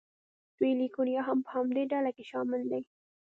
سویلي کوریا هم په همدې ډله کې شامل دی.